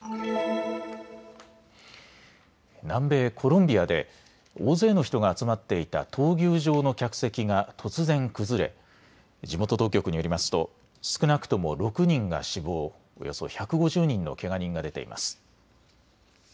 南米コロンビアで大勢の人が集まっていた闘牛場の客席が突然崩れ地元当局によりますと少なくとも６人が死亡、およそ１５０人のけが人が出ています。